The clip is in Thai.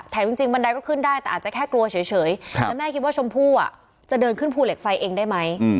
จริงบันไดก็ขึ้นได้แต่อาจจะแค่กลัวเฉยแล้วแม่คิดว่าชมพู่จะเดินขึ้นภูเหล็กไฟเองได้ไหม